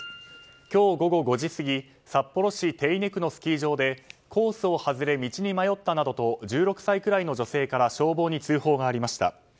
今日午後５時過ぎ札幌市手稲区のスキー場でコースを外れ道に迷ったなどと１６歳くらいの女性から消防に通報がありました。